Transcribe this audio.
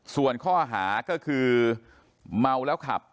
ส่วนข้อหาก็คือเมาแล้วขับ